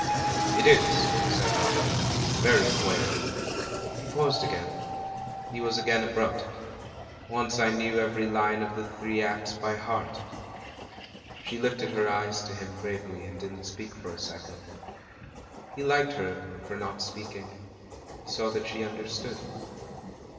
"It is," said Robert, "very queer." He paused THE CALL IHOM THE PAST 40S again — he was again abrupt: "Once I knew every line of the three acts by heart." She hfted her eyes to him gravely, and didn't speak for a second. He liked her for not speak ing — he saw that she understood.